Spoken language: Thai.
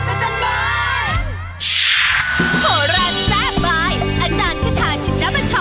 โหลาแซมบายอาจารย์ขทาชินมาชร